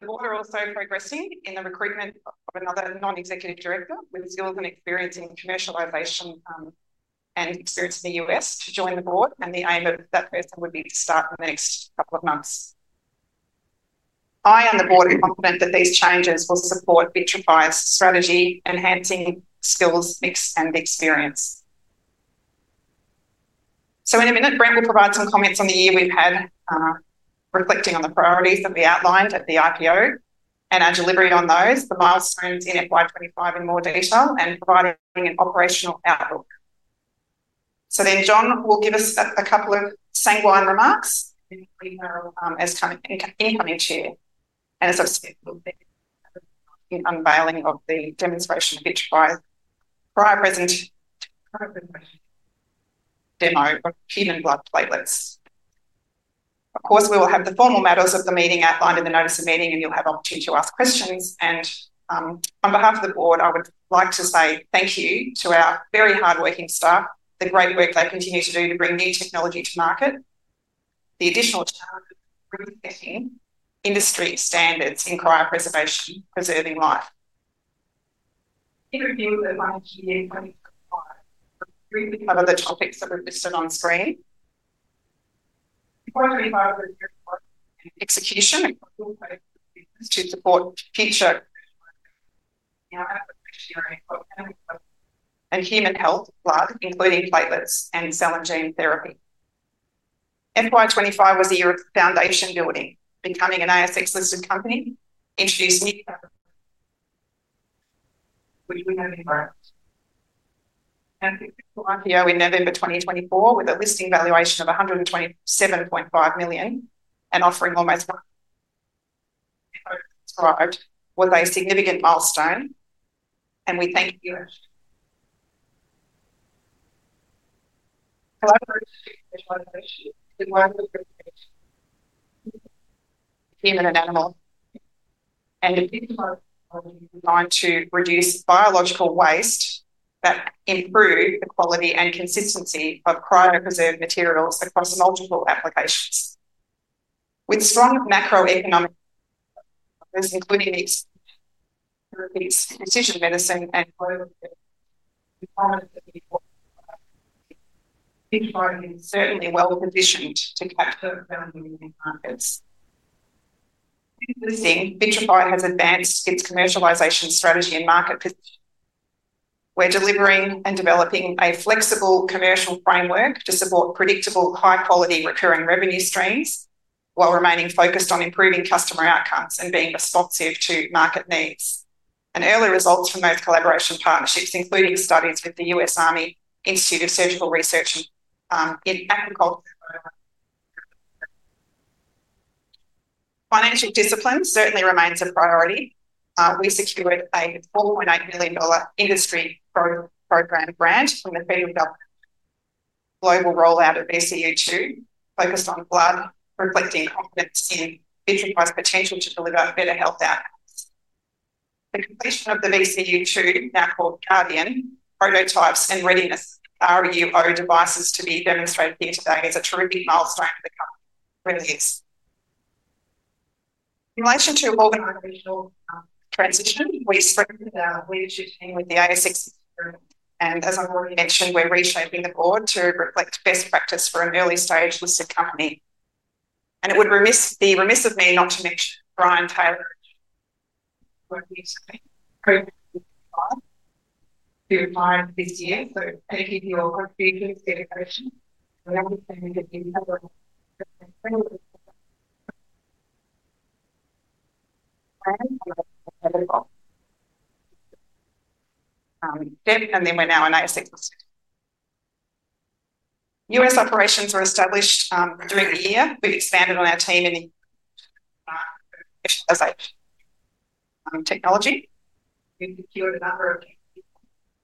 The board are also progressing in the recruitment of another non-executive director with skills and experience in commercialization and experience in the U.S. to join the board, and the aim of that person would be to start in the next couple of months. I and the board are confident that these changes will support Vitrafy's strategy, enhancing skills, mix, and experience. In a minute, Brent will provide some comments on the year we've had, reflecting on the priorities that we outlined at the IPO and our delivery on those, the milestones in FY 2025 in more detail, and providing an operational outlook. John will give us a couple of sanguine remarks as incoming chair and a substantive unveiling of the demonstration of Vitrafy's prior present demo of human blood platelets. Of course, we will have the formal matters of the meeting outlined in the notice of meeting, and you'll have an opportunity to ask questions. On behalf of the board, I would like to say thank you to our very hardworking staff, the great work they continue to do to bring new technology to market, the additional challenge of resetting industry standards in cryopreservation, preserving life. Thank you for being with us on GA25. Briefly cover the topics that were listed on screen. FY 2025 will be a very important execution and critical focus of business to support future and human health blood, including platelets and cell and gene therapy. FY 2025 was a year of foundation building, becoming an ASX-listed company, introducing new. Which we have in front. The IPO in November 2024, with a listing valuation of 127.5 million and offering almost, described was a significant milestone, and we thank you. [Hello for the.] Human and animal, and a digital technology designed to reduce biological waste that improves the quality and consistency of cryopreserved materials across multiple applications. With strong macroeconomic factors, including its precision medicine and global improvement, Vitrafy is certainly well positioned to capture value in markets. In this listing, Vitrafy has advanced its commercialization strategy and market position. We are delivering and developing a flexible commercial framework to support predictable high-quality recurring revenue streams while remaining focused on improving customer outcomes and being responsive to market needs. Early results from those collaboration partnerships include studies with the U.S. Army Institute of Surgical Research in agriculture. Financial discipline certainly remains a priority. We secured an 4.8 million dollar industry program grant from the federal government for global rollout of VCU2, focused on blood, reflecting confidence in Vitrafy's potential to deliver better health outcomes. The completion of the VCU2, now called Guardian, prototypes and readiness RUO devices to be demonstrated here today is a terrific milestone for the company. In relation to organizational transition, we strengthened our leadership team with the ASX experiment, and as I've already mentioned, we're reshaping the board to reflect best practice for an early-stage listed company. It would be remiss of me not to mention Brian Taylor, who applied this year. Thank you for your contributions. We are now an ASX. U.S. operations were established during the year. We expanded on our team in commercialization technology. We secured a number of people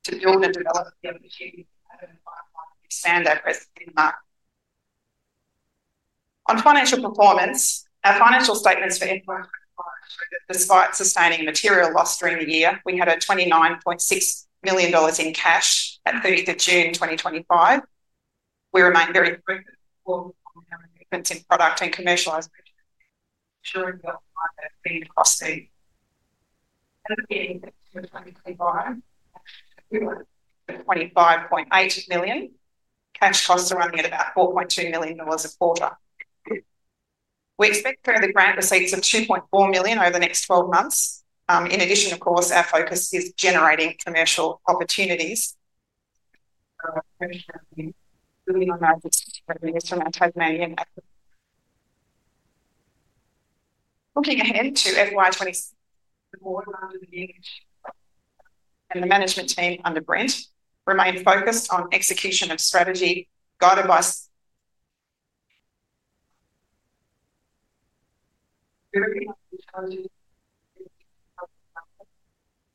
to build and develop the opportunity to expand our presence in the market. On financial performance, our financial statements for FY 2025 show that despite sustaining material loss during the year, we had 29.6 million dollars in cash at 30th June 2025. We remain very focused on our improvements in product and commercialization, ensuring that we're being cost-effective. At the end of 2025, we were at 25.8 million. Cash costs are running at about 4.2 million dollars a quarter. We expect further grant receipts of 2.4 million over the next 12 months. In addition, of course, our focus is generating commercial opportunities. Looking ahead to FY 2026, the board under the management and the management team under Brent remain focused on execution of strategy guided by.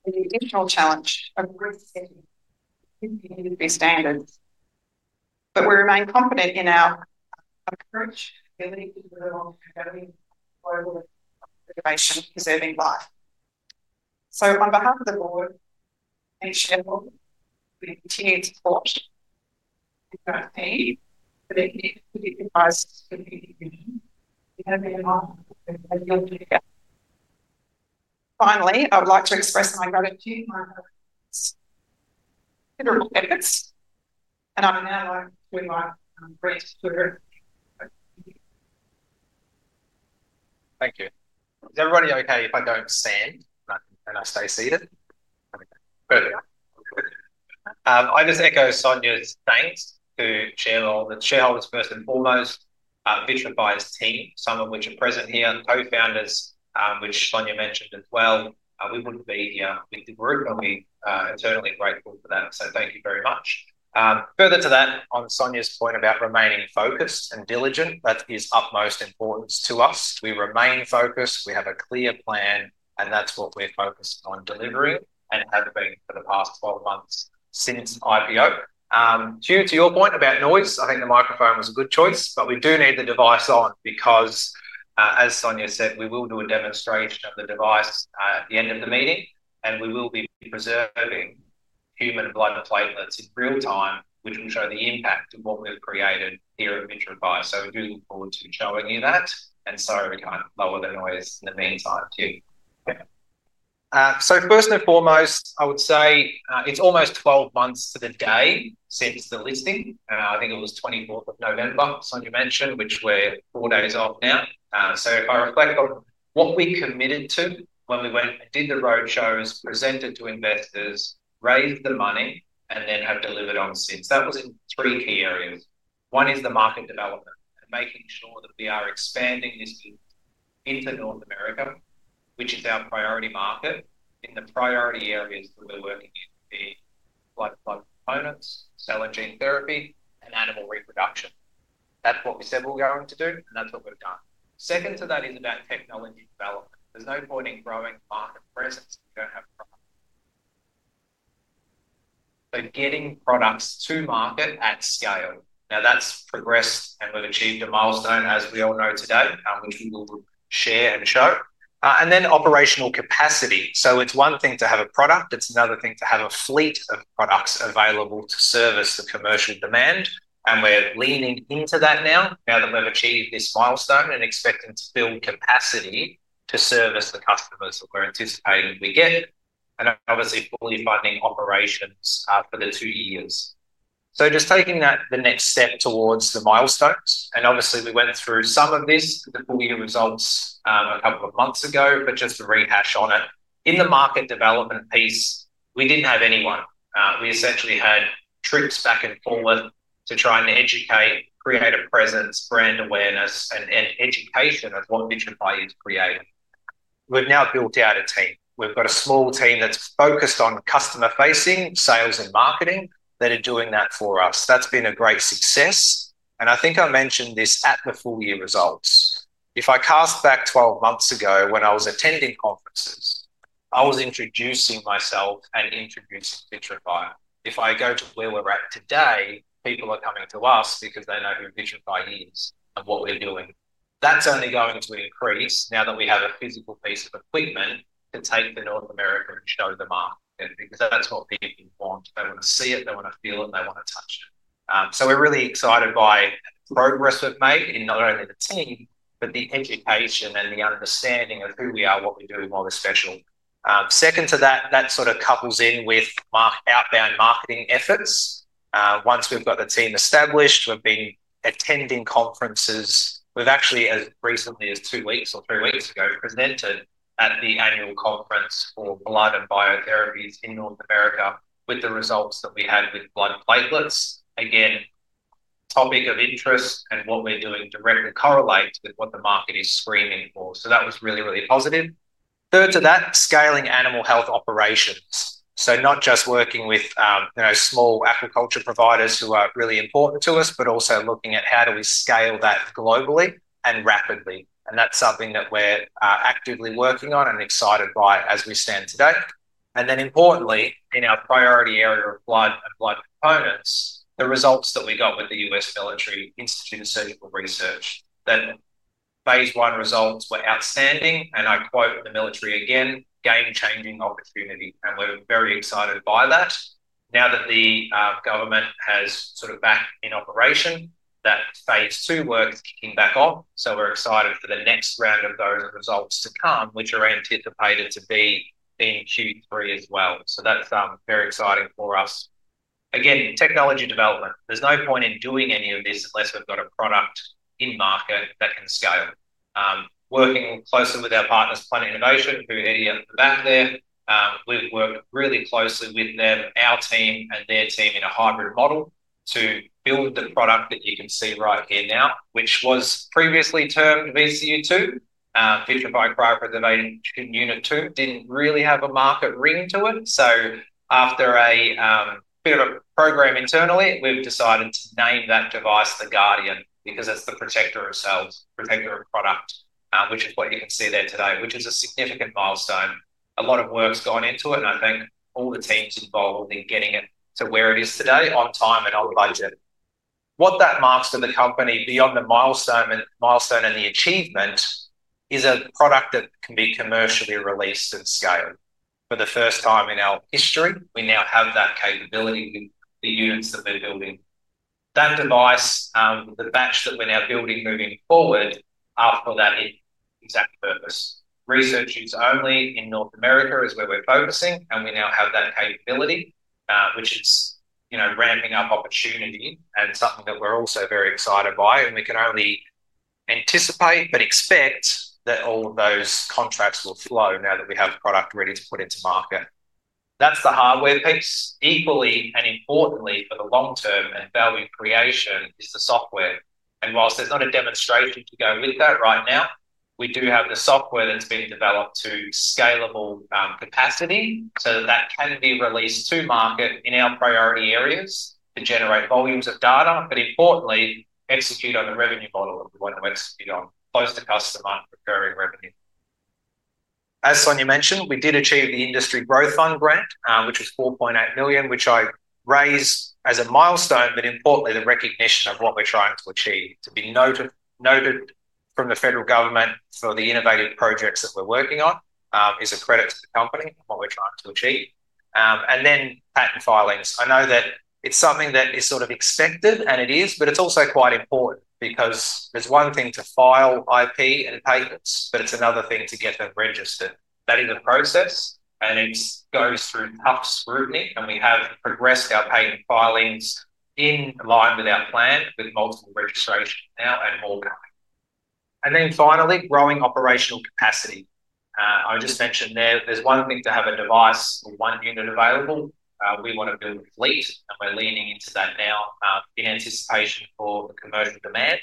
Additional challenge of resetting industry standards. We remain confident in our approach and ability to deliver long-term global preservation preserving life. On behalf of the board, thanks, Sheffield. We continue to support Vitrafy for their commitment to Vitrafy's strategic vision. We have been a partner for a long time. Finally, I would like to express my gratitude for my considerable efforts, and I am now likewise to Brent for. Thank you. Is everybody okay if I don't stand and I stay seated? Perfect. I just echo Sonia's thanks to shareholders, first and foremost, Vitrafy's team, some of which are present here, and co-founders, which Sonia mentioned as well. We wouldn't be here if we didn't work, and we're eternally grateful for that. Thank you very much. Further to that, on Sonia's point about remaining focused and diligent, that is of utmost importance to us. We remain focused. We have a clear plan, and that's what we're focused on delivering and have been for the past 12 months since IPO. To your point about noise, I think the microphone was a good choice, but we do need the device on because, as Sonia said, we will do a demonstration of the device at the end of the meeting, and we will be preserving human blood and platelets in real time, which will show the impact of what we've created here at Vitrafy. We do look forward to showing you that, and we can lower the noise in the meantime too. First and foremost, I would say it's almost 12 months to the day since the listing. I think it was 24th of November, Sonia mentioned, which we're four days off now. If I reflect on what we committed to when we went and did the road shows, presented to investors, raised the money, and then have delivered on since. That was in three key areas. One is the market development and making sure that we are expanding this into North America, which is our priority market, in the priority areas that we're working in to be blood and blood components, cell and gene therapy, and animal reproduction. That's what we said we're going to do, and that's what we've done. Second to that is about technology development. There's no point in growing market presence if you don't have products. Getting products to market at scale. That has progressed, and we've achieved a milestone, as we all know today, which we will share and show. Then operational capacity. It's one thing to have a product. It's another thing to have a fleet of products available to service the commercial demand. We are leaning into that now, now that we have achieved this milestone and expecting to build capacity to service the customers that we are anticipating we get, and obviously fully funding operations for the two years. Just taking that the next step towards the milestones. Obviously, we went through some of this, the full year results, a couple of months ago, but just to rehash on it. In the market development piece, we did not have anyone. We essentially had trips back and forth to try and educate, create a presence, brand awareness, and education of what Vitrafy is creating. We have now built out a team. We have got a small team that is focused on customer-facing sales and marketing that are doing that for us. That has been a great success. I think I mentioned this at the full year results. If I cast back 12 months ago when I was attending conferences, I was introducing myself and introducing Vitrafy. If I go to where we're at today, people are coming to us because they know who Vitrafy is and what we're doing. That's only going to increase now that we have a physical piece of equipment to take to North America and show the market because that's what people want. They want to see it. They want to feel it. They want to touch it. We are really excited by the progress we've made in not only the team, but the education and the understanding of who we are, what we do, and what we're special. Second to that, that sort of couples in with outbound marketing efforts. Once we've got the team established, we've been attending conferences. We've actually, as recently as two weeks or three weeks ago, presented at the annual conference for blood and biotherapies in North America with the results that we had with blood platelets. Again, topic of interest and what we're doing directly correlates with what the market is screaming for. That was really, really positive. Third to that, scaling animal health operations. Not just working with small aquaculture providers who are really important to us, but also looking at how do we scale that globally and rapidly. That is something that we're actively working on and excited by as we stand today. Importantly, in our priority area of blood and blood components, the results that we got with the U.S. Army Institute of Surgical Research, that phase one results were outstanding. I quote the military again, "Game-changing opportunity." We are very excited by that. Now that the government has sort of backed in operation, that phase two work is kicking back off. We are excited for the next round of those results to come, which are anticipated to be in Q3 as well. That is very exciting for us. Again, technology development. There is no point in doing any of this unless we have got a product in market that can scale. Working closely with our partners, Planet Innovation, who Eddie at the back there, we have worked really closely with them, our team, and their team in a hybrid model to build the product that you can see right here now, which was previously termed VCU2, Vitrafy Cryopreservation Unit 2. Did not really have a market ring to it. After a bit of a program internally, we've decided to name that device the Guardian because it's the protector of cells, protector of product, which is what you can see there today, which is a significant milestone. A lot of work's gone into it, and I thank all the teams involved in getting it to where it is today on time and on budget. What that marks for the company beyond the milestone and the achievement is a product that can be commercially released at scale. For the first time in our history, we now have that capability with the units that we're building. That device, the batch that we're now building moving forward, after that exact purpose. Research use only in North America is where we're focusing, and we now have that capability, which is ramping up opportunity and something that we're also very excited by. We can only anticipate but expect that all of those contracts will flow now that we have product ready to put into market. That is the hardware piece. Equally and importantly for the long-term and value creation is the software. Whilst there is not a demonstration to go with that right now, we do have the software that has been developed to scalable capacity so that that can be released to market in our priority areas to generate volumes of data, but importantly, execute on the revenue model that we want to execute on, close to customer and recurring revenue. As Sonia mentioned, we did achieve the Industry Growth Fund grant, which was 4.8 million, which I raised as a milestone, but importantly, the recognition of what we are trying to achieve. To be noted from the federal government for the innovative projects that we're working on is a credit to the company and what we're trying to achieve. Patent filings, I know that it's something that is sort of expected, and it is, but it's also quite important because it's one thing to file IP and patents, but it's another thing to get them registered. That is a process, and it goes through tough scrutiny, and we have progressed our patent filings in line with our plan with multiple registrations now and more coming. Finally, growing operational capacity. I just mentioned there there's one thing to have a device or one unit available. We want to build a fleet, and we're leaning into that now in anticipation for the commercial demand,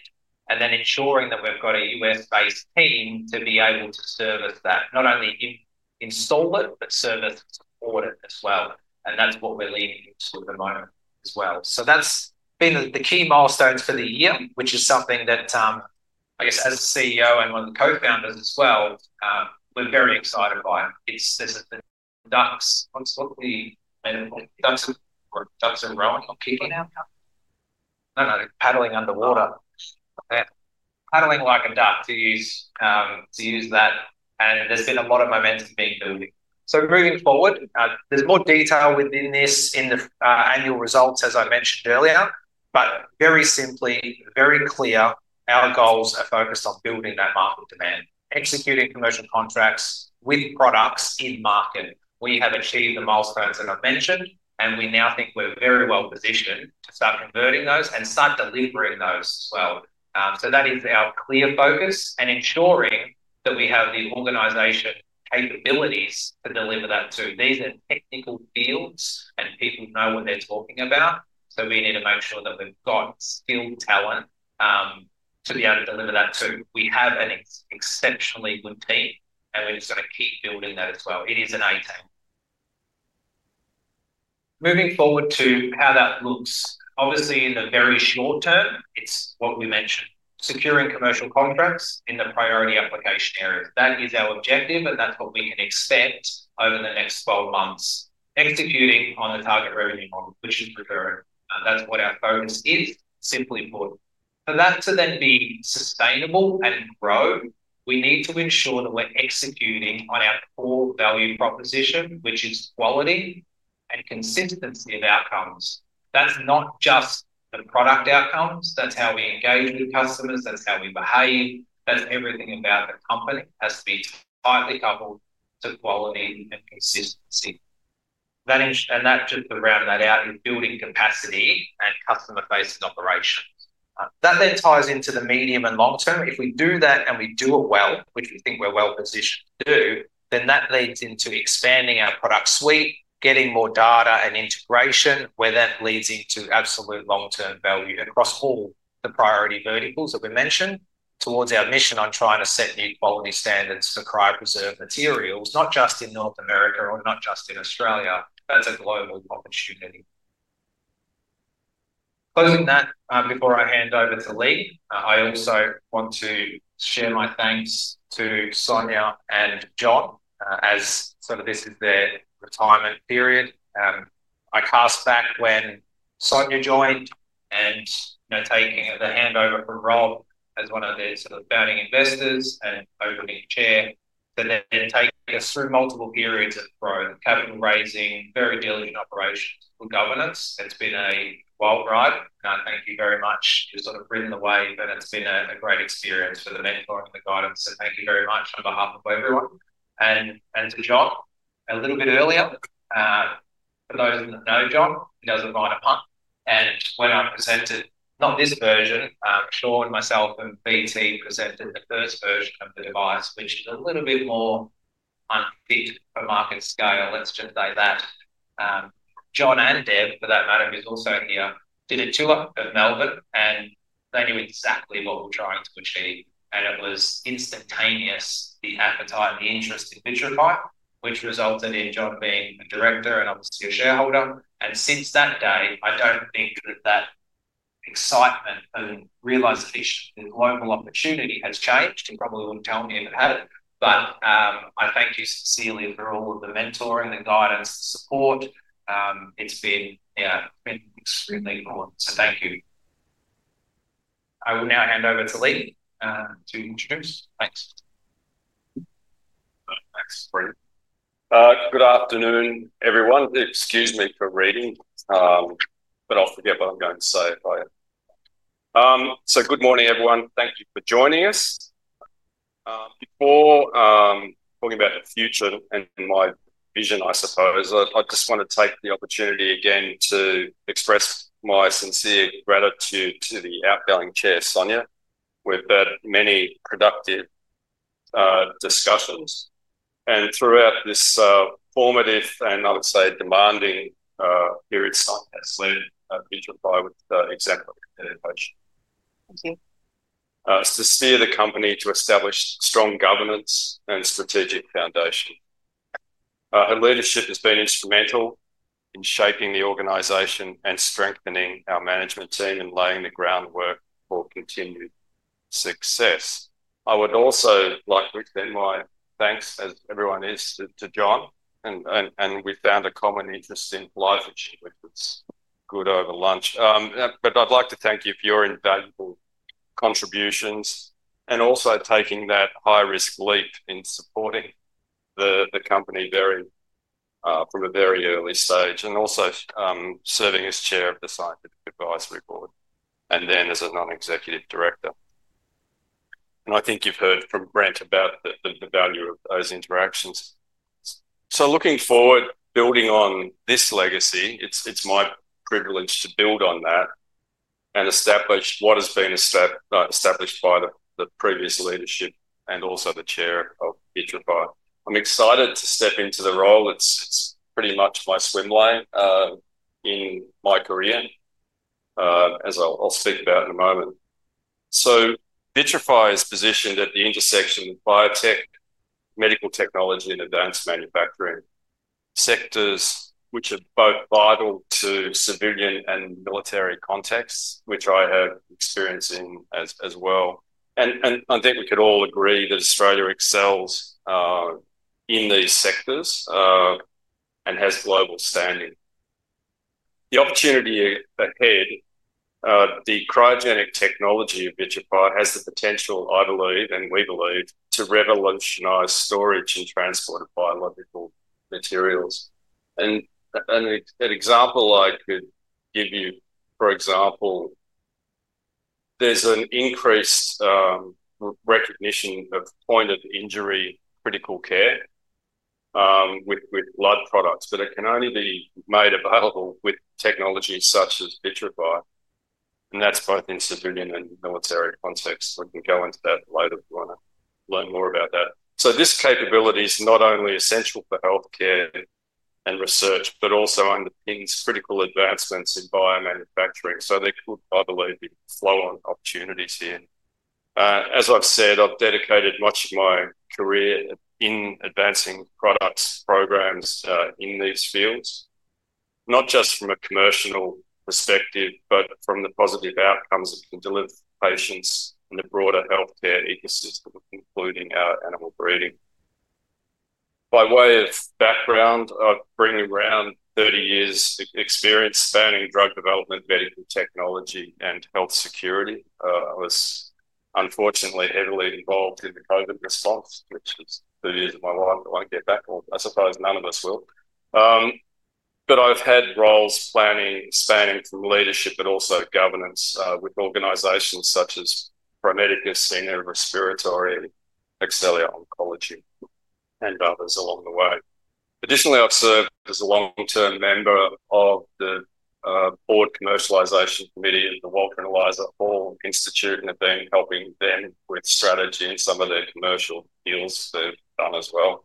and then ensuring that we've got a U.S. based team to be able to service that, not only install it, but service and support it as well. That's what we're leaning into at the moment as well. That's been the key milestones for the year, which is something that, I guess, as a CEO and one of the co-founders as well, we're very excited by. It's the ducks. What's the ducks are growing or kicking out? No, no, they're paddling underwater. Paddling like a duck to use that. There's been a lot of momentum being built. Moving forward, there's more detail within this in the annual results, as I mentioned earlier, but very simply, very clear, our goals are focused on building that market demand, executing commercial contracts with products in market. We have achieved the milestones that I've mentioned, and we now think we're very well positioned to start converting those and start delivering those as well. That is our clear focus and ensuring that we have the organization capabilities to deliver that too. These are technical fields, and people know what they're talking about. We need to make sure that we've got skilled talent to be able to deliver that too. We have an exceptionally good team, and we're just going to keep building that as well. It is an A team. Moving forward to how that looks, obviously in the very short term, it's what we mentioned, securing commercial contracts in the priority application areas. That is our objective, and that's what we can expect over the next 12 months, executing on the target revenue model, which is recurring. That's what our focus is, simply put. For that to then be sustainable and grow, we need to ensure that we're executing on our core value proposition, which is quality and consistency of outcomes. That's not just the product outcomes. That's how we engage with customers. That's how we behave. That's everything about the company has to be tightly coupled to quality and consistency. That just to round that out is building capacity and customer-facing operations. That then ties into the medium and long term. If we do that and we do it well, which we think we're well positioned to do, then that leads into expanding our product suite, getting more data and integration, where that leads into absolute long-term value across all the priority verticals that we mentioned towards our mission on trying to set new quality standards for cryopreserved materials, not just in North America or not just in Australia. That's a global opportunity. Closing that, before I hand over to Leigh, I also want to share my thanks to Sonia and John as sort of this is their retirement period. I cast back when Sonia joined and taking the handover from Rob as one of their sort of founding investors and opening chair to then take us through multiple periods of growth, capital raising, very diligent operations, good governance. It's been a wild ride. Thank you very much. You've sort of ridden the wave, and it's been a great experience for the mentor and the guidance. Thank you very much on behalf of everyone. To John, a little bit earlier, for those who know John, he doesn't mind a pun. When I presented, not this version, Sean, myself, and [BT] presented the first version of the device, which is a little bit more unfit for market scale. Let's just say that. John and Deb, for that matter, who's also here, did a tour at Melbourne, and they knew exactly what we're trying to achieve. It was instantaneous, the appetite and the interest in Vitrafy, which resulted in John being a director and obviously a shareholder. Since that day, I don't think that that excitement and realization of the global opportunity has changed. You probably wouldn't tell me if it hadn't. I thank you sincerely for all of the mentoring, the guidance, the support. It's been extremely important. Thank you. I will now hand over to Leigh to introduce. Thanks. Thanks, Brent. Good afternoon, everyone. Excuse me for reading, but I'll forget what I'm going to say if I... Good morning, everyone. Thank you for joining us. Before talking about the future and my vision, I suppose, I just want to take the opportunity again to express my sincere gratitude to the outgoing Chair, Sonia, with many productive discussions. Throughout this formative and, I would say, demanding period, Sonia has led Vitrafy with exactly that dedication. Thank you. To steer the company to establish strong governance and strategic foundation. Her leadership has been instrumental in shaping the organization and strengthening our management team and laying the groundwork for continued success. I would also like to extend my thanks, as everyone is, to John. We found a common interest in life issues, which was good over lunch. I would like to thank you for your invaluable contributions and also taking that high-risk leap in supporting the company from a very early stage and also serving as Chair of the Scientific Advisory Board and then as a non-executive director. I think you have heard from Brent about the value of those interactions. Looking forward, building on this legacy, it is my privilege to build on that and establish what has been established by the previous leadership and also the Chair of Vitrafy. I am excited to step into the role. It is pretty much my swim lane in my career, as I will speak about in a moment. Vitrafy is positioned at the intersection of biotech, medical technology, and advanced manufacturing sectors, which are both vital to civilian and military contexts, which I have experience in as well. I think we could all agree that Australia excels in these sectors and has global standing. The opportunity ahead, the cryogenic technology of Vitrafy has the potential, I believe, and we believe, to revolutionize storage and transport of biological materials. An example I could give you, for example, there's an increased recognition of point of injury critical care with blood products, but it can only be made available with technologies such as Vitrafy. That's both in civilian and military contexts. We can go into that later. We want to learn more about that. This capability is not only essential for healthcare and research, but also underpins critical advancements in biomanufacturing. There could, I believe, be flow-on opportunities here. As I've said, I've dedicated much of my career in advancing products programs in these fields, not just from a commercial perspective, but from the positive outcomes it can deliver for patients and the broader healthcare ecosystem, including our animal breeding. By way of background, I bring around 30 years of experience spanning drug development, medical technology, and health security. I was unfortunately heavily involved in the COVID response, which is three years of my life I won't get back on. I suppose none of us will. I've had roles spanning from leadership, but also governance with organizations such as Pro Medicus, ENA Respiratory, Axelia Oncology, and others along the way. Additionally, I've served as a long-term member of the Board Commercialization Committee at the Walter and Eliza Hall Institute, and have been helping them with strategy in some of their commercial deals they've done as well.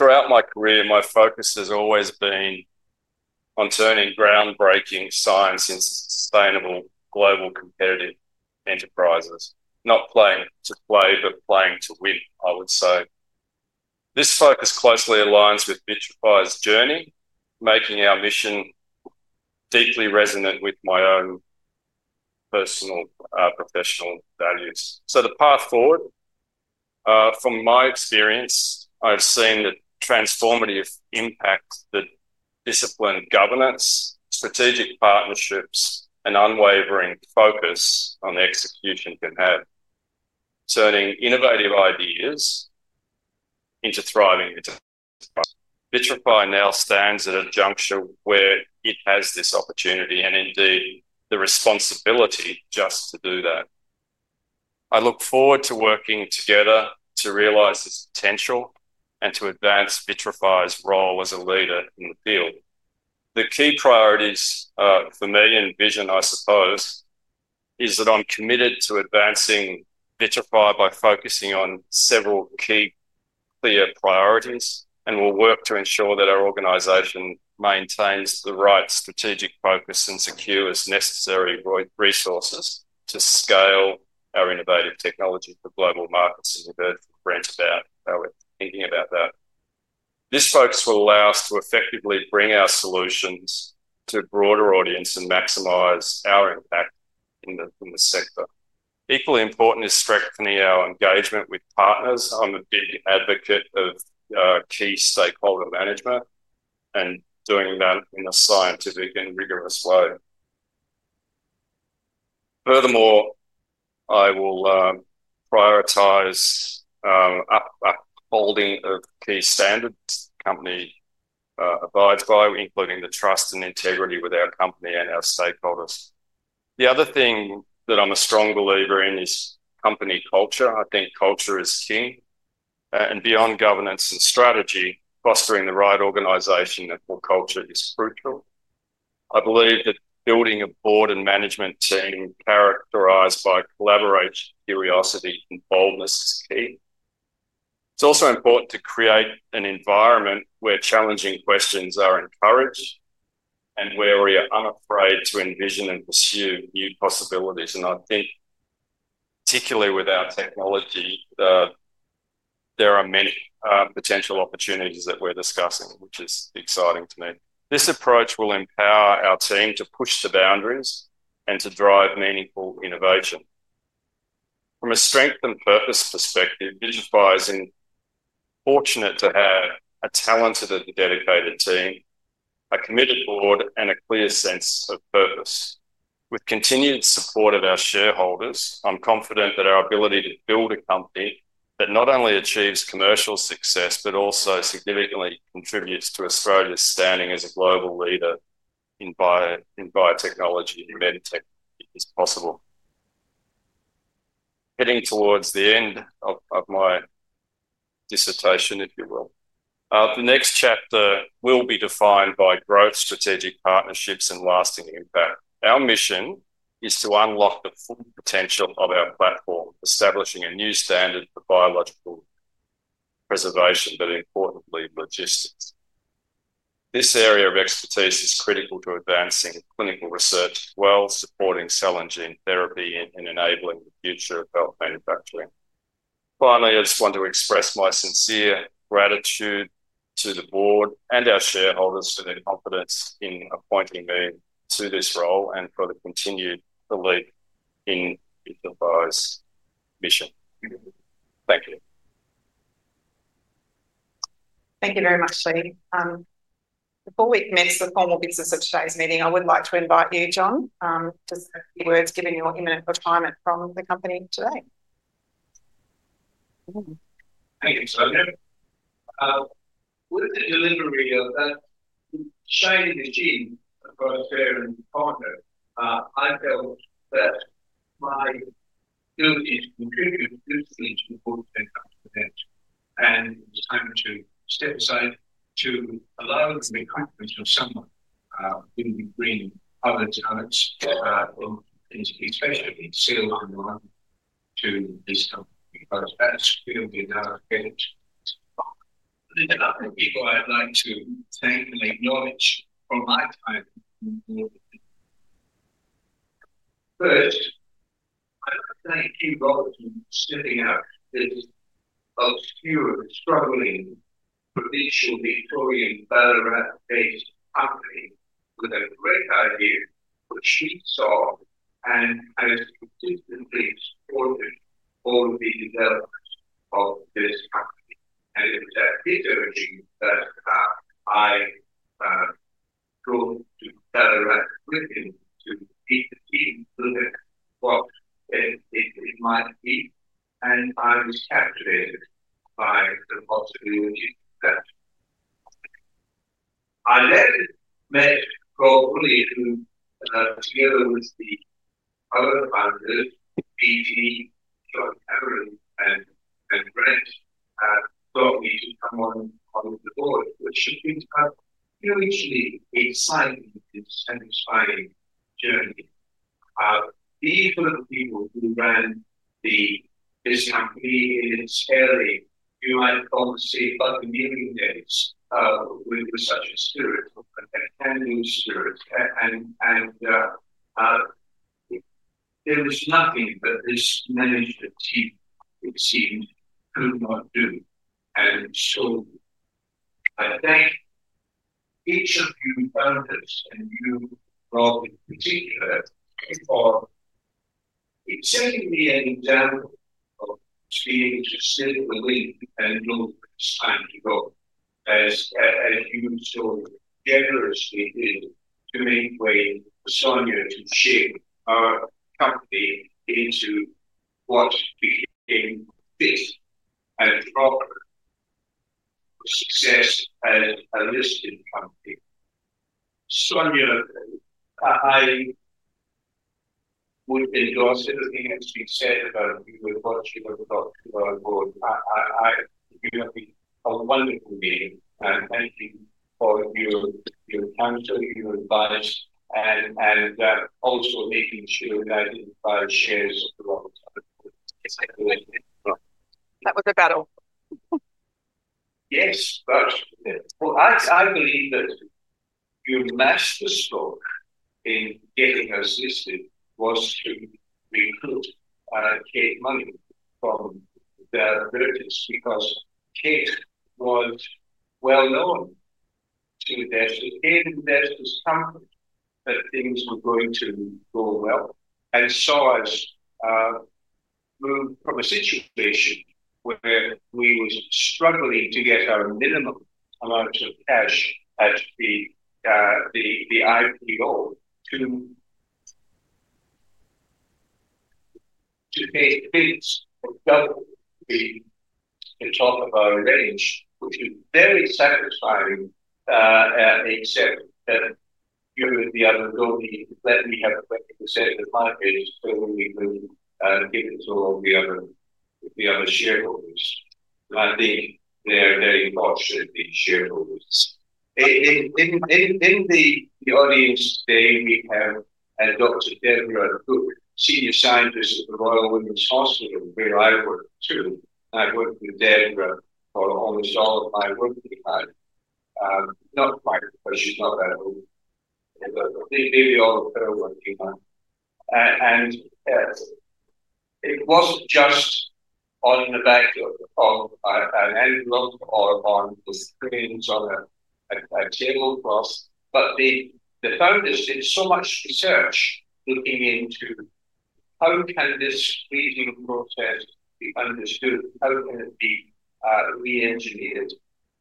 Throughout my career, my focus has always been on turning groundbreaking science into sustainable global competitive enterprises, not playing to play, but playing to win, I would say. This focus closely aligns with Vitrafy's journey, making our mission deeply resonant with my own personal professional values. The path forward, from my experience, I've seen the transformative impact that disciplined governance, strategic partnerships, and unwavering focus on execution can have, turning innovative ideas into thriving enterprises. Vitrafy now stands at a juncture where it has this opportunity and indeed the responsibility just to do that. I look forward to working together to realize this potential and to advance Vitrafy's role as a leader in the field. The key priorities for me and vision, I suppose, is that I'm committed to advancing Vitrafy by focusing on several key clear priorities and will work to ensure that our organization maintains the right strategic focus and secures necessary resources to scale our innovative technology for global markets. As we heard from Brent about how we're thinking about that. This focus will allow us to effectively bring our solutions to a broader audience and maximize our impact in the sector. Equally important is strengthening our engagement with partners. I'm a big advocate of key stakeholder management and doing that in a scientific and rigorous way. Furthermore, I will prioritize upholding of key standards the company abides by, including the trust and integrity with our company and our stakeholders. The other thing that I'm a strong believer in is company culture. I think culture is king. Beyond governance and strategy, fostering the right organization and core culture is crucial. I believe that building a board and management team characterized by collaboration, curiosity, and boldness is key. It's also important to create an environment where challenging questions are encouraged and where we are unafraid to envision and pursue new possibilities. I think, particularly with our technology, there are many potential opportunities that we're discussing, which is exciting to me. This approach will empower our team to push the boundaries and to drive meaningful innovation. From a strength and purpose perspective, Vitrafy is fortunate to have a talented and dedicated team, a committed board, and a clear sense of purpose. With continued support of our shareholders, I'm confident that our ability to build a company that not only achieves commercial success, but also significantly contributes to Australia's standing as a global leader in biotechnology and med tech is possible. Heading towards the end of my dissertation, if you will, the next chapter will be defined by growth, strategic partnerships, and lasting impact. Our mission is to unlock the full potential of our platform, establishing a new standard for biological preservation, but importantly, logistics. This area of expertise is critical to advancing clinical research as well, supporting cell and gene therapy, and enabling the future of health manufacturing. Finally, I just want to express my sincere gratitude to the board and our shareholders for their confidence in appointing me to this role and for the continued belief in Vitrafy's mission. Thank you. Thank you very much, Leigh. Before we commence the formal business of today's meeting, I would like to invite you, John, to say a few words, given your imminent retirement from the company today. Thank you, Sonia. With the delivery of that shade in the gene across care and partners, I felt that my ability to contribute to this stage was important and complementary. It was time to step aside to allow the recruitment of someone in the green public talents, especially sales and marketing, to this company because that's where we're now headed. There's a number of people I'd like to thank and acknowledge for my time in the board. First, I'd like to thank you, Rob, for stepping out of this obscure, struggling, provincial Victorian Ballarat-based company with a great idea which we saw and has consistently supported all of the developments of this company. It was at this urging that I drove to Ballarat to meet the team to look at what it might be. I was captivated by the possibility of that. I later met Rob Woolley who, together with the other founders, BT, Sean Cameron, and Brent, got me to come on the board, which has been a mutually exciting and satisfying journey. These were the people who ran this company in its early, you might almost say, buccaneering days, with such a spirit, a can-do spirit. There was nothing that this management team, it seemed, could not do. I thank each of you founders and you, Rob, in particular, for setting me an example of being just a step away and a little bit of time to go, as you so generously did to make way for Sonia to shape our company into what became this and proper success as a listed company. Sonia, I would endorse everything that's been said about you and what you have talked about, Board. You have been a wonderful [meeting]. And thank you for your counsel, your advice, and also making sure that Vitrafy shares of the right type of company. That was a battle. Yes, but I believe that your masterstroke in getting us listed was to recruit Kate Munnings from the Americas because Kate was well known to investors and investors' companies that things were going to go well. I flew from a situation where we were struggling to get our minimum amount of cash at the IPO to pay things for double the top of our range, which was very satisfying, except that you had the other ability to let me have 20% of markets so we could give it to all the other shareholders. I think they are very fortunate, the shareholders. In the audience today, we have Dr. Deborah Cook, Senior Scientist at the Royal Women's Hospital, where I worked too. I worked with Deborah for almost all of my working time. Not quite because she's not at home. Maybe all of her working time. It wasn't just on the back of an envelope or on the screens on a tablecloth, but the founders did so much research looking into how can this freezing process be understood? How can it be re-engineered?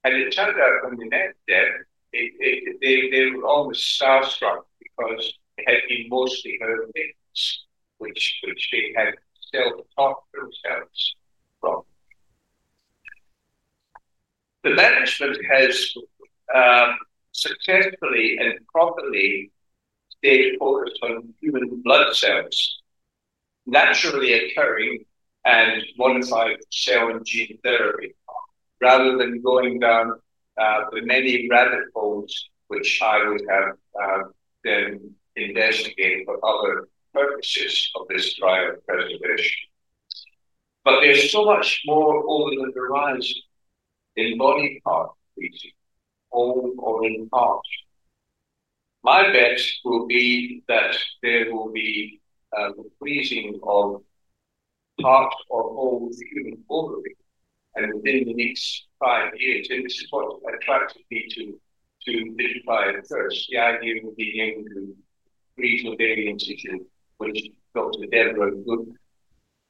It turned out from the next day, they were almost starstruck because it had been mostly her patients, which they had self-taught themselves from. The management has successfully and properly stayed focused on human blood cells, naturally occurring and modified cell and gene therapy, rather than going down the many rabbit holes which I would have then investigated for other purposes of this cryopreservation. There is so much more over the horizon in body part freezing, whole or in part. My bet will be that there will be a freezing of part or whole of the human organ within the next five years. This is what attracted me to Vitrafy at first, the idea of being able to freeze the very institute which Dr. Deborah Cook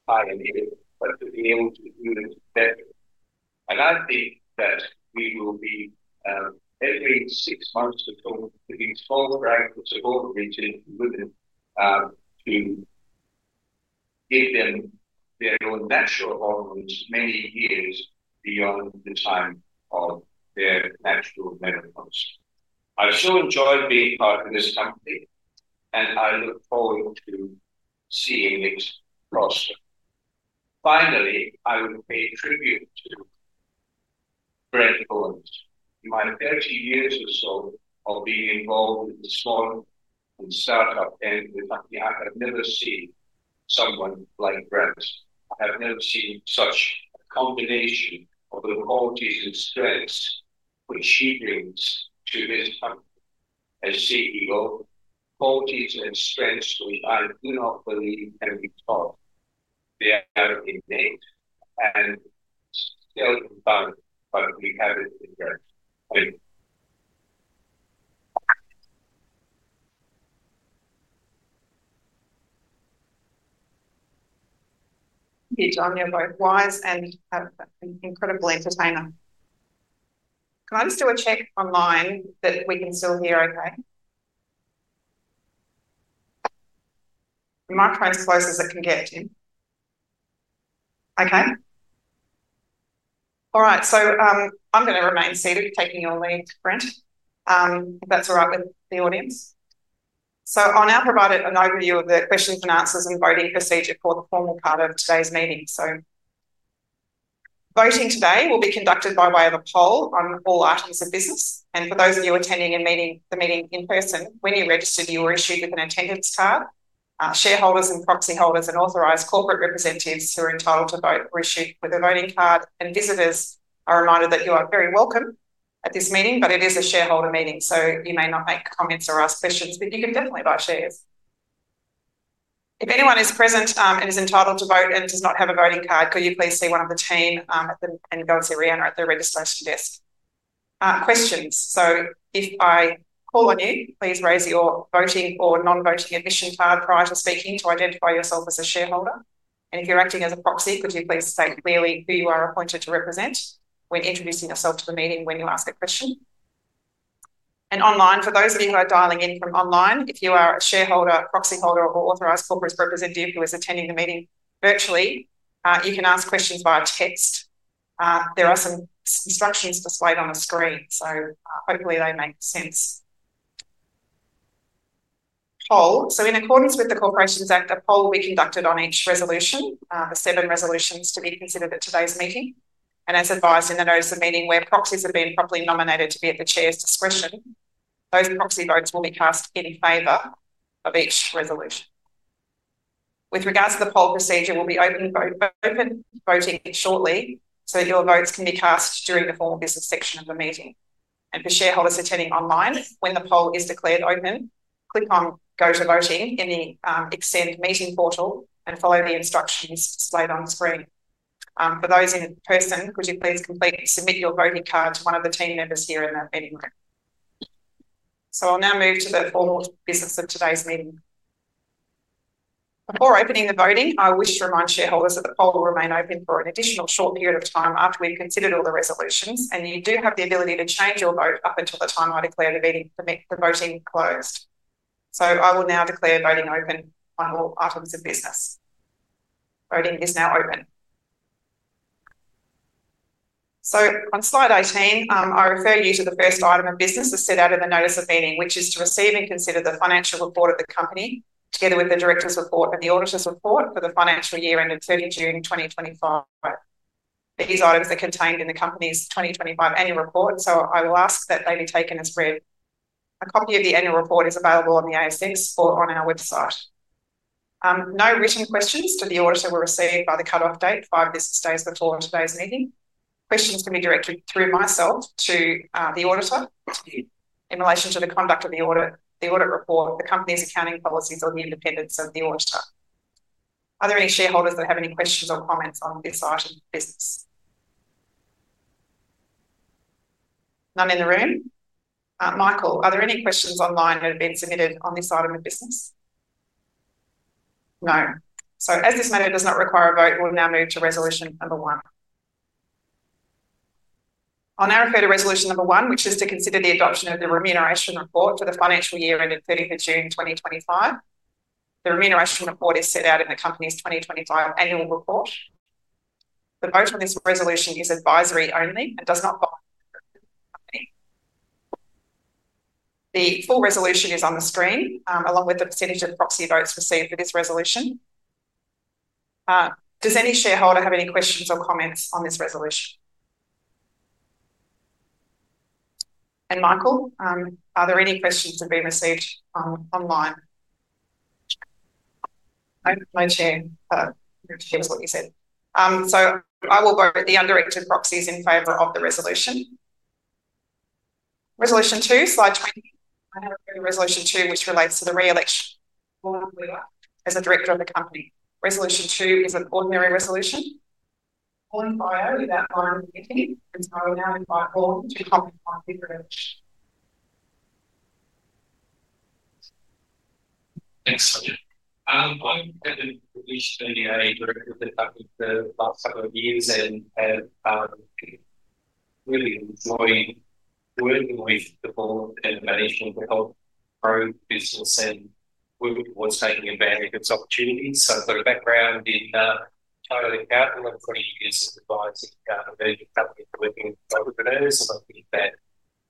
pioneered, but to be able to do it better. I think that we will be every six months to talk to these whole branches of all regions within to give them their own natural organs many years beyond the time of their natural menopause. I so enjoyed being part of this company, and I look forward to seeing it prosper. Finally, I would pay tribute to Brent Owens. In my 30 years or so of being involved with the small and startup, I have never seen someone like Brent. I have never seen such a combination of the qualities and strengths which he brings to this company as CEO. Qualities and strengths which I do not believe can be taught. They are innate and still inbound, but we have it in Brent. Thank you. Thank you, John. You're both wise and incredibly entertaining. Can I just do a check online that we can still hear okay? The microphone's closed as it can get to. Okay. All right. I'm going to remain seated, taking your lead, Brent, if that's all right with the audience. I'll now provide an overview of the questions and answers and voting procedure for the formal part of today's meeting. Voting today will be conducted by way of a poll on all items of business. For those of you attending the meeting in person, when you registered, you were issued with an attendance card. Shareholders and proxy holders and authorized corporate representatives who are entitled to vote were issued with a voting card. Visitors are reminded that you are very welcome at this meeting, but it is a shareholder meeting, so you may not make comments or ask questions, but you can definitely buy shares. If anyone is present and is entitled to vote and does not have a voting card, could you please see one of the team and go and see Rhiannon at the registration desk? Questions. If I call on you, please raise your voting or non-voting admission card prior to speaking to identify yourself as a shareholder. If you are acting as a proxy, could you please state clearly who you are appointed to represent when introducing yourself to the meeting when you ask a question? Online, for those of you who are dialing in from online, if you are a shareholder, proxy holder, or authorized corporate representative who is attending the meeting virtually, you can ask questions via text. There are some instructions displayed on the screen, so hopefully they make sense. Poll. In accordance with the Corporations Act, a poll will be conducted on each resolution, the seven resolutions to be considered at today's meeting. As advised in the notice of meeting, where proxies have been properly nominated to be at the Chair's discretion, those proxy votes will be cast in favor of each resolution. With regards to the poll procedure, we'll be open voting shortly so that your votes can be cast during the formal business section of the meeting. For shareholders attending online, when the poll is declared open, click on "Go to Voting" in the Extend Meeting portal and follow the instructions displayed on screen. For those in person, could you please submit your voting card to one of the team members here in the meeting room? I'll now move to the formal business of today's meeting. Before opening the voting, I wish to remind shareholders that the poll will remain open for an additional short period of time after we've considered all the resolutions, and you do have the ability to change your vote up until the time I declare the voting closed. I will now declare voting open on all items of business. Voting is now open. On slide 18, I refer you to the first item of business as set out in the notice of meeting, which is to receive and consider the financial report of the company together with the director's report and the auditor's report for the financial year ended 30th June 2025. These items are contained in the company's 2025 annual report, so I will ask that they be taken as read. A copy of the annual report is available on the ASX or on our website. No written questions to the auditor were received by the cutoff date five business days before today's meeting. Questions can be directed through myself to the auditor in relation to the conduct of the audit report, the company's accounting policies, or the independence of the auditor. Are there any shareholders that have any questions or comments on this item of business? None in the room. Michael, are there any questions online that have been submitted on this item of business? No. As this matter does not require a vote, we will now move to resolution number one. I will now refer to resolution number one, which is to consider the adoption of the remuneration report for the financial year ended 30th June 2025. The remuneration report is set out in the company's 2025 Annual Report. The vote on this resolution is advisory only and does not bind the company. The full resolution is on the screen, along with the percentage of proxy votes received for this resolution. Does any shareholder have any questions or comments on this resolution? Michael, are there any questions that have been received online? No, Chair. That was what you said. I will vote the undirected proxies in favor of the resolution. Resolution two, slide 20. I have a resolution two which relates to the re-election of Vaughan Webber as the director of the company. Resolution two is an ordinary resolution. Vaughan is outside of the meeting, and I will now invite Vaughan to comment on this resolution. Thanks, Sonia. I'm Vaughan Webber, non-executive director for the company for the last couple of years and have really enjoyed working with the board and the management to help grow business and work towards taking advantage of its opportunities. For the background, [I'm currently 11], 20 years of advising the company for working with entrepreneurs, and I think that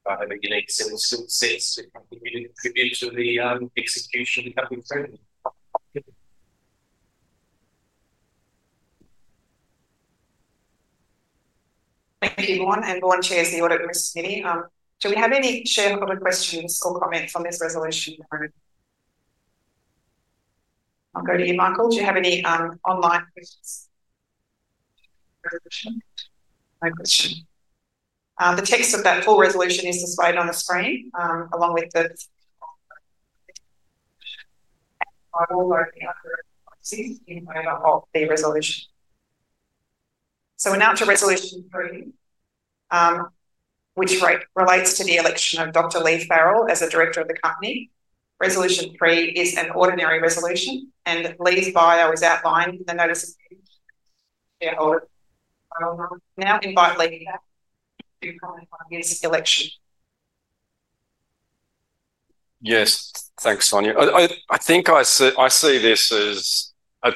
I have a unique sense of success to contribute to the execution of the company's revenue. Thank you, everyone. Everyone chairs the audit committee. Do we have any shareholder questions or comments on this resolution? I'll go to you, Michael. Do you have any online questions? No question. The text of that full resolution is displayed on the screen, along with the title of the proxies in favor of the resolution. We are now to resolution three, which relates to the election of Dr. Leigh Farrell as the Director of the company. Resolution three is an ordinary resolution, and Leigh's bio is outlined in the notice of meeting. Now invite Leigh to comment on his election. Yes. Thanks, Sonia. I think I see this as a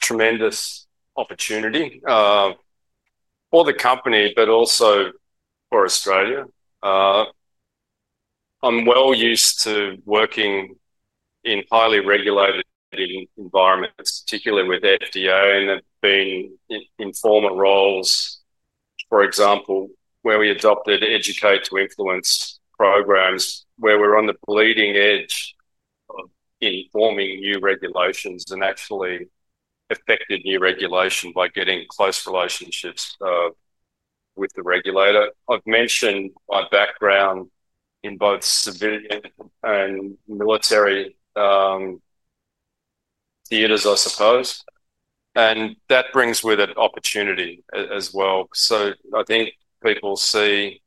tremendous opportunity for the company, but also for Australia. I'm well used to working in highly regulated environments, particularly with the FDA, and have been in former roles, for example, where we adopted educate-to-influence programs, where we're on the bleeding edge of informing new regulations and actually affected new regulation by getting close relationships with the regulator. I've mentioned my background in both civilian and military theaters, I suppose. That brings with it opportunity as well. I think people see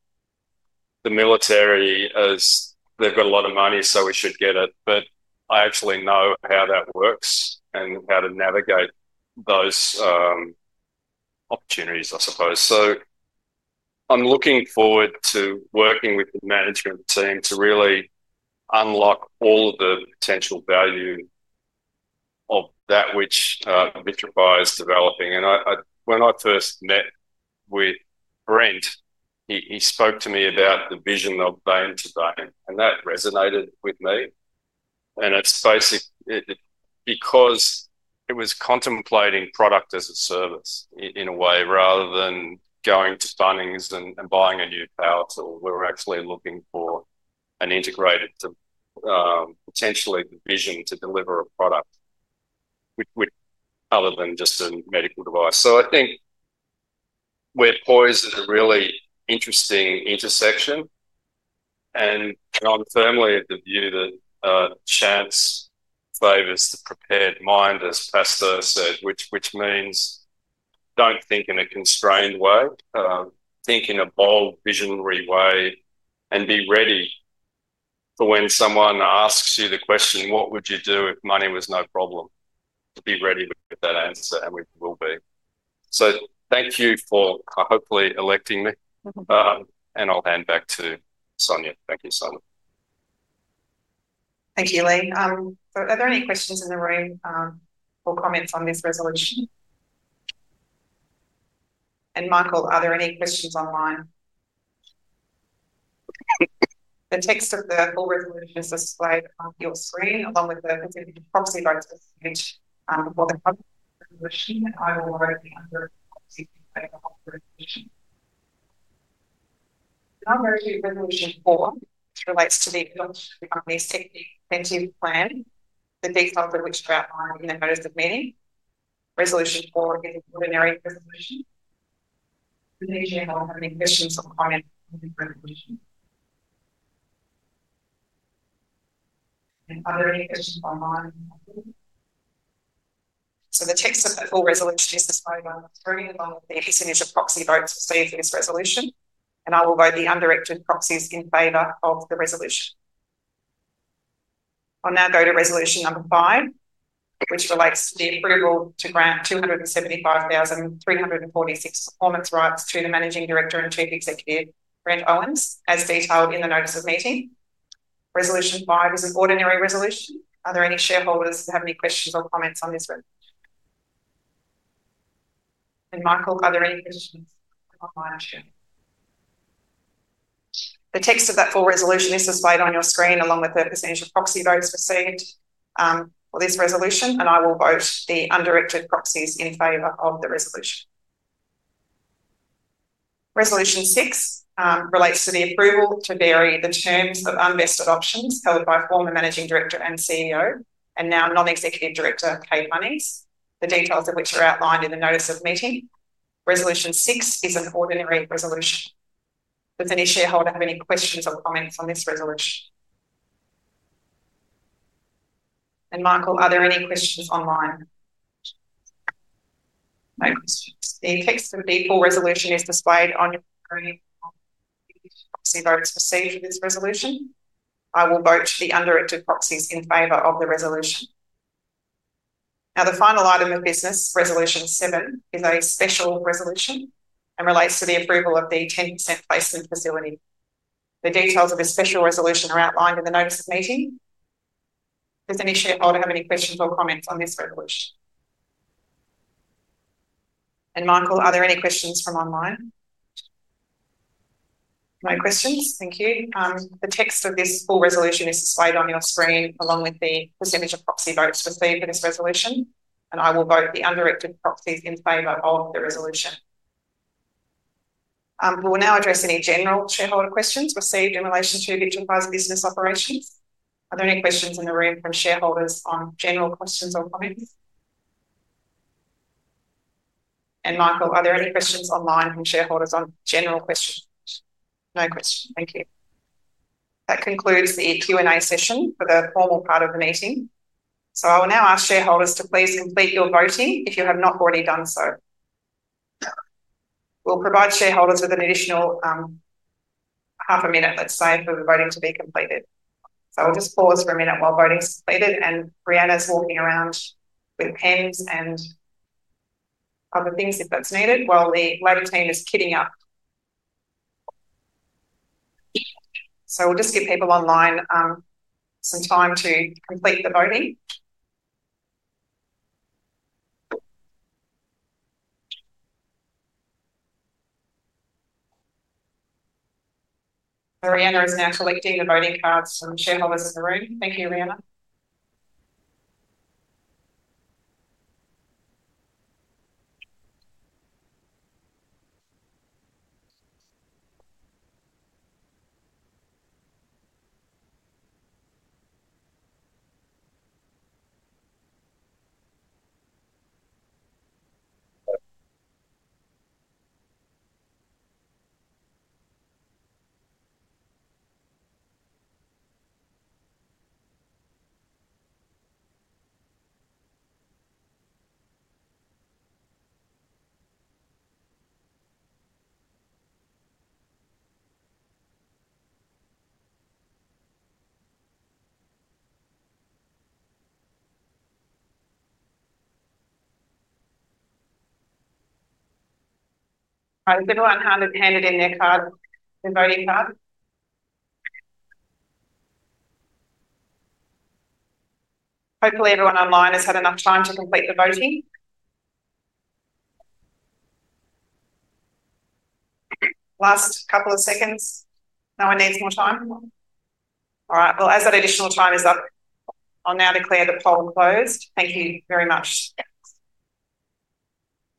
the military as they've got a lot of money, so we should get it. I actually know how that works and how to navigate those opportunities, I suppose. I'm looking forward to working with the management team to really unlock all of the potential value of that which Vitrafy is developing. When I first met with Brent, he spoke to me about the vision of vein-to-vein, and that resonated with me. It was basically because it was contemplating product as a service in a way, rather than going to Bunnings and buying a new power tool. We were actually looking for an integrated, potentially visionary way to deliver a product other than just a medical device. I think we're poised at a really interesting intersection. I'm firmly of the view that chance favors the prepared mind, as Pasteur said, which means don't think in a constrained way. Think in a bold, visionary way and be ready for when someone asks you the question, "What would you do if money was no problem?" Be ready with that answer, and we will be. Thank you for hopefully electing me. I'll hand back to Sonia. Thank you, Sonia. Thank you, Leigh. Are there any questions in the room or comments on this resolution? Michael, are there any questions online? The text of the full resolution is displayed on your screen, along with the proxy votes which, before the proxy resolution, I will vote in favor of the proxy vote on the resolution. Now go to resolution four, which relates to the adoption of the company's technique incentive plan, the details of which are outlined in the notice of meeting. Resolution four is an ordinary resolution. Does anyone have any questions or comments on this resolution? Are there any questions online? The text of the full resolution is displayed on the screen, along with the percentage of proxy votes received for this resolution. I will vote the undirected proxies in favor of the resolution. I'll now go to resolution number five, which relates to the approval to grant 275,346 performance rights to the Managing Director and Chief Executive, Brent Owens, as detailed in the notice of meeting. Resolution five is an ordinary resolution. Are there any shareholders that have any questions or comments on this one? Michael, are there any questions online? The text of that full resolution is displayed on your screen, along with the percentage of proxy votes received for this resolution. I will vote the undirected proxies in favor of the resolution. Resolution six relates to the approval to vary the terms of unvested options held by former Managing Director and CEO, and now Non-Executive Director, Kate Munnings, the details of which are outlined in the notice of meeting. Resolution six is an ordinary resolution. Does any shareholder have any questions or comments on this resolution? Michael, are there any questions online? No questions. The text of the full resolution is displayed on your screen of the proxy votes received for this resolution. I will vote the undirected proxies in favor of the resolution. Now, the final item of business, resolution seven, is a special resolution and relates to the approval of the 10% placement facility. The details of this special resolution are outlined in the notice of meeting. Does any shareholder have any questions or comments on this resolution? Michael, are there any questions from online? No questions. Thank you. The text of this full resolution is displayed on your screen, along with the percentage of proxy votes received for this resolution. I will vote the undirected proxies in favor of the resolution. We will now address any general shareholder questions received in relation to Vitrafy's business operations. Are there any questions in the room from shareholders on general questions or comments? Michael, are there any questions online from shareholders on general questions? No questions. Thank you. That concludes the Q&A session for the formal part of the meeting. I will now ask shareholders to please complete your voting if you have not already done so. We'll provide shareholders with an additional half a minute, let's say, for the voting to be completed. I'll just pause for a minute while voting is completed, and Brianna's walking around with pens and other things if that's needed while the [later] team is kitting up. We'll just give people online some time to complete the voting. Brianna is now collecting the voting cards from shareholders in the room. Thank you, Brianna. All right. Everyone handed in their cards, the voting cards. Hopefully, everyone online has had enough time to complete the voting. Last couple of seconds. No one needs more time. All right. As that additional time is up, I'll now declare the poll closed. Thank you very much.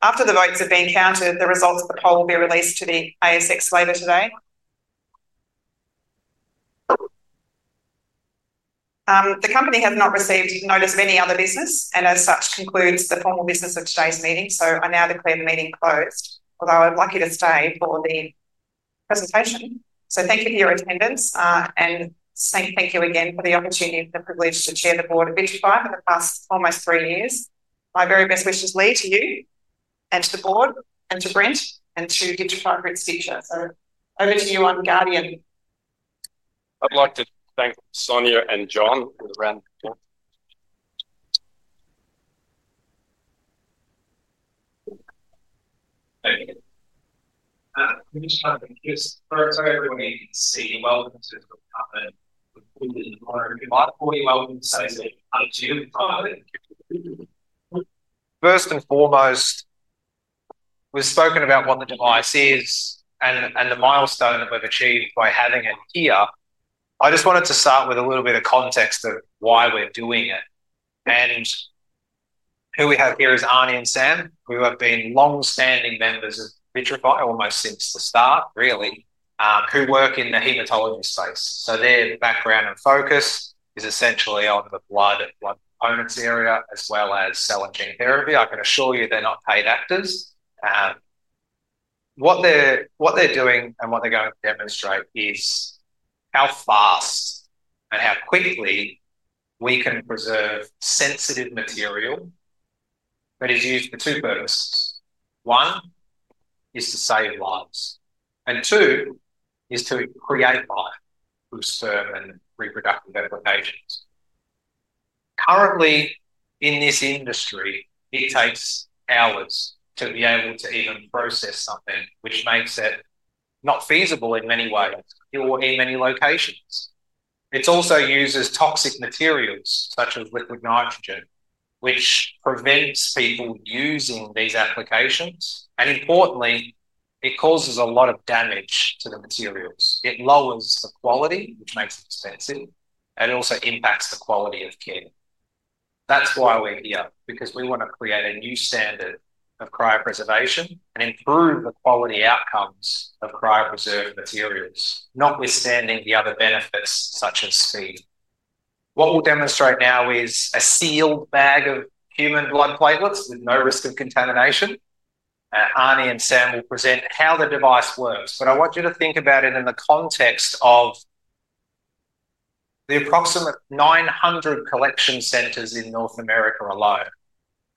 After the votes have been counted, the results of the poll will be released to the ASX later today. The company has not received notice of any other business, and as such, concludes the formal business of today's meeting. I now declare the meeting closed, although I'd like you to stay for the presentation. Thank you for your attendance, and thank you again for the opportunity and the privilege to Chair the Board of Vitrafy for the past almost three years. My very best wishes, Leigh, to you, and to the board, and to Brent, and to Vitrafy Group's future. Over to you, I'm [Guardian]. I'd like to thank Sonia and John for the round of applause. Thank you. Just for everybody to see, welcome to the company. First and foremost, we've spoken about what the device is and the milestone that we've achieved by having it here. I just wanted to start with a little bit of context of why we're doing it. Who we have here is Arnie and Sam, who have been long-standing members of Vitrafy almost since the start, really, who work in the hematology space. Their background and focus is essentially on the blood and blood components area, as well as cell and gene therapy. I can assure you they're not paid actors. What they're doing and what they're going to demonstrate is how fast and how quickly we can preserve sensitive material that is used for two purposes. One is to save lives, and two is to create life through sperm and reproductive applications. Currently, in this industry, it takes hours to be able to even process something, which makes it not feasible in many ways or in many locations. It also uses toxic materials such as liquid Nitrogen, which prevents people using these applications. Importantly, it causes a lot of damage to the materials. It lowers the quality, which makes it expensive, and it also impacts the quality of care. That is why we are here, because we want to create a new standard of cryopreservation and improve the quality outcomes of cryopreserved materials, notwithstanding the other benefits such as speed. What we will demonstrate now is a sealed bag of human blood platelets with no risk of contamination. Arnie and Sam will present how the device works. I want you to think about it in the context of the approximate 900 collection centers in North America alone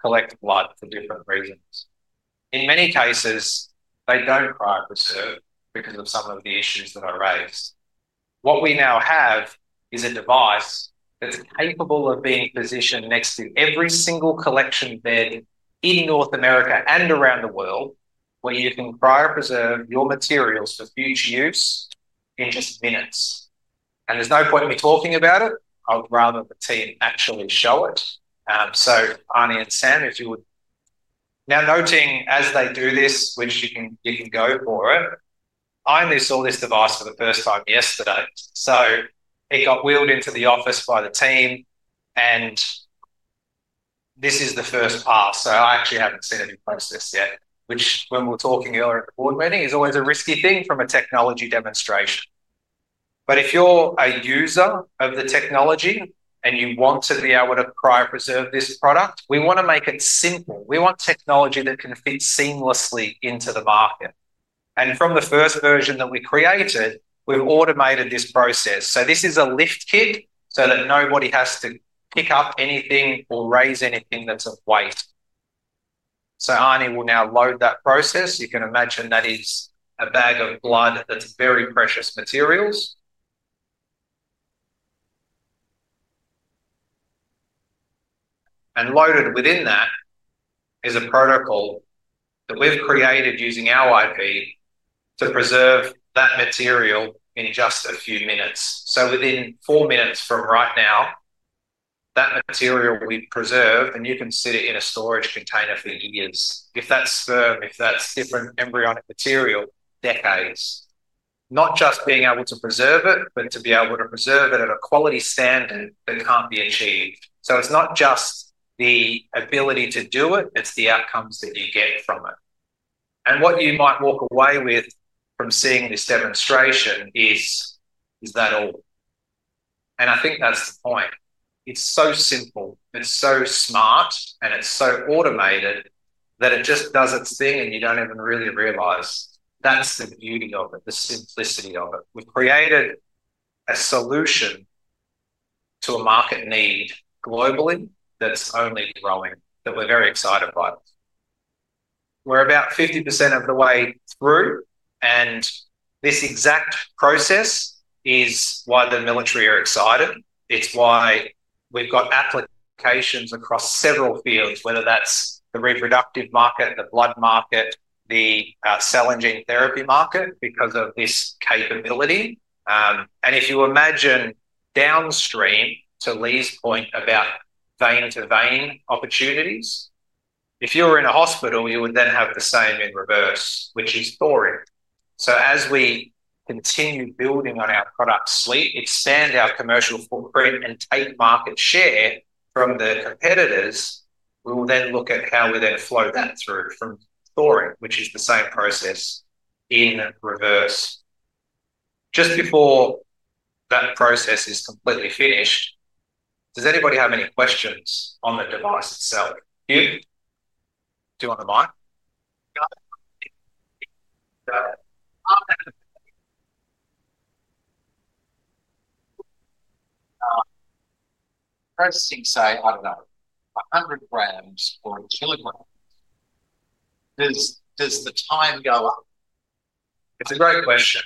that collect blood for different reasons. In many cases, they do not cryopreserve because of some of the issues that are raised. What we now have is a device that is capable of being positioned next to every single collection bed in North America and around the world, where you can cryopreserve your materials for future use in just minutes. There is no point in me talking about it. I would rather the team actually show it. Arnie and Sam, if you would. Noting as they do this, you can go for it, I only saw this device for the first time yesterday. It got wheeled into the office by the team, and this is the first pass. I actually haven't seen it in process yet, which, when we were talking earlier at the board meeting, is always a risky thing from a technology demonstration. If you're a user of the technology and you want to be able to cryopreserve this product, we want to make it simple. We want technology that can fit seamlessly into the market. From the first version that we created, we've automated this process. This is a lift kit so that nobody has to pick up anything or raise anything that's of weight. Arnie will now load that process. You can imagine that is a bag of blood that's very precious materials. Loaded within that is a protocol that we've created using our IP to preserve that material in just a few minutes. Within four minutes from right now, that material we've preserved, and you can sit it in a storage container for years. If that's sperm, if that's different embryonic material, decades. Not just being able to preserve it, but to be able to preserve it at a quality standard that can't be achieved. It's not just the ability to do it, it's the outcomes that you get from it. What you might walk away with from seeing this demonstration is that all. I think that's the point. It's so simple, it's so smart, and it's so automated that it just does its thing and you don't even really realize. That's the beauty of it, the simplicity of it. We've created a solution to a market need globally that's only growing that we're very excited by. We're about 50% of the way through, and this exact process is why the military are excited. It's why we've got applications across several fields, whether that's the reproductive market, the blood market, the cell and gene therapy market, because of this capability. If you imagine downstream to Leigh's point about vein-to-vein opportunities, if you were in a hospital, you would then have the same in reverse, which is thawing. As we continue building on our product suite, expand our commercial footprint, and take market share from the competitors, we will then look at how we then flow that through from thawing, which is the same process in reverse. Just before that process is completely finished, does anybody have any questions on the device itself? You? Do you want a mic? Processing, say, I don't know, 100 grams or a kilogram. Does the time go up? It's a great question.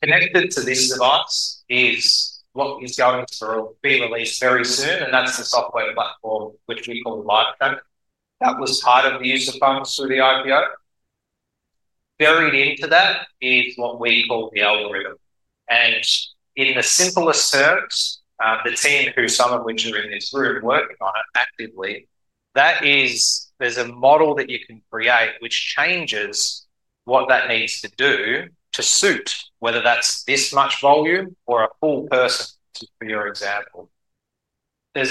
Connected to this device is what is going to be released very soon, and that's the software platform, which we call [LifeChain]. That was part of the use of funds through the IPO. Buried into that is what we call the algorithm. In the simplest terms, the team, who some of which are in this room working on it actively, that is, there's a model that you can create which changes what that needs to do to suit, whether that's this much volume or a full person, for your example. You've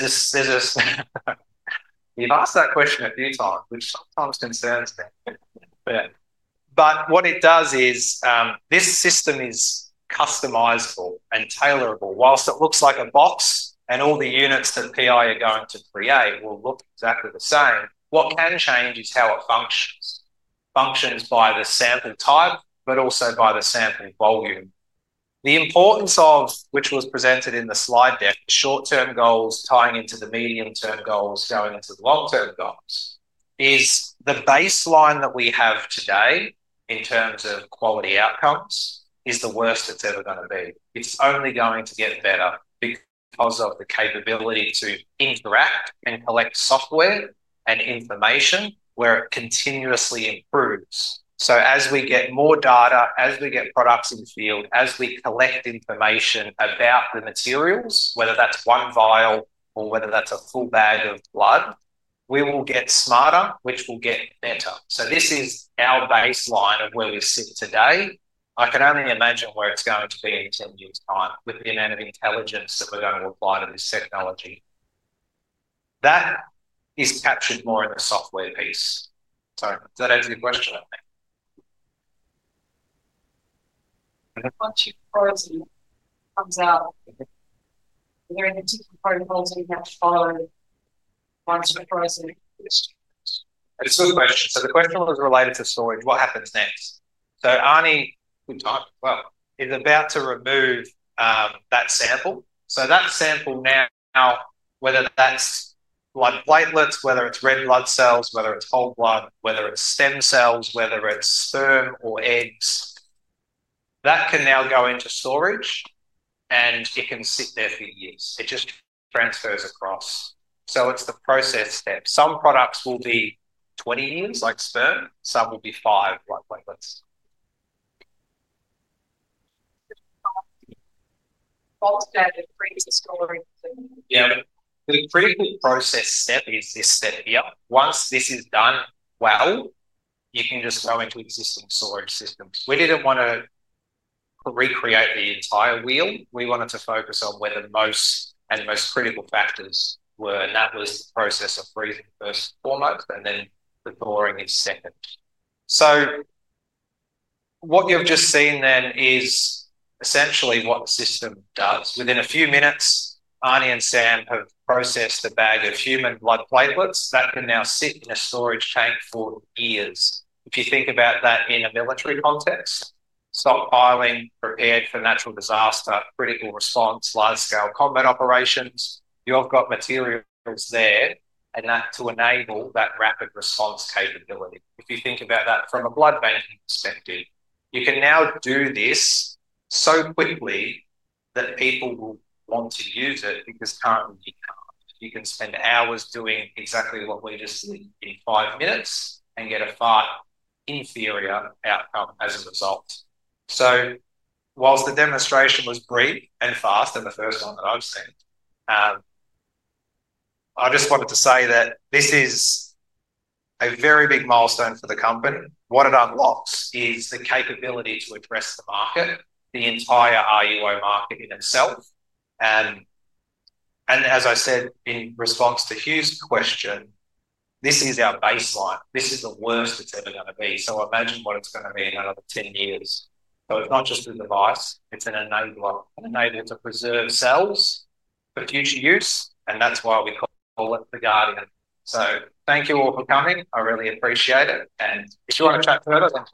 asked that question a few times, which sometimes concerns me. What it does is this system is customizable and tailorable. Whilst it looks like a box and all the units that PI are going to create will look exactly the same, what can change is how it functions. Functions by the sample type, but also by the sample volume. The importance of, which was presented in the slide deck, the short-term goals tying into the medium-term goals going into the long-term goals, is the baseline that we have today in terms of quality outcomes is the worst it's ever going to be. It's only going to get better because of the capability to interact and collect software and information where it continuously improves. As we get more data, as we get products in the field, as we collect information about the materials, whether that's one vial or whether that's a full bag of blood, we will get smarter, which will get better. This is our baseline of where we sit today. I can only imagine where it's going to be in 10 years' time with the amount of intelligence that we're going to apply to this technology. That is captured more in the software piece. Sorry. Does that answer your question? Once your frozen comes out, are there any particular protocols you have to follow once you're frozen? It's a good question. The question was related to storage. What happens next? Arnie is about to remove that sample. That sample now, whether that's blood platelets, whether it's red blood cells, whether it's whole blood, whether it's stem cells, whether it's sperm or eggs, that can now go into storage and it can sit there for years. It just transfers across. It's the process step. Some products will be 20 years like sperm, some will be five like platelets. The critical process step is this step here. Once this is done well, you can just go into existing storage systems. We did not want to recreate the entire wheel. We wanted to focus on where the most and most critical factors were. That was the process of freezing first and foremost, and then the thawing is second. What you have just seen then is essentially what the system does. Within a few minutes, Arnie and Sam have processed a bag of human blood platelets that can now sit in a storage tank for years. If you think about that in a military context, stockpiling, prepared for natural disaster, critical response, large-scale combat operations, you have got materials there to enable that rapid response capability. If you think about that from a blood banking perspective, you can now do this so quickly that people will want to use it because currently you cannot. You can spend hours doing exactly what we just did in five minutes and get a far inferior outcome as a result. Whilst the demonstration was brief and fast, and the first one that I've seen, I just wanted to say that this is a very big milestone for the company. What it unlocks is the capability to address the market, the entire RUO market in itself. As I said in response to Hugh's question, this is our baseline. This is the worst it's ever going to be. Imagine what it's going to be in another 10 years. It's not just a device, it's an enabler to preserve cells for future use, and that's why we call it the Guardian. Thank you all for coming. I really appreciate it. If you want to chat further.